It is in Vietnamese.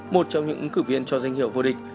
một trong những ứng cử viên cho danh hiệu vô địch